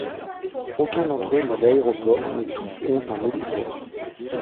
Aucun d'entre eux n'a d'aéroport, mais tous ont un héliport.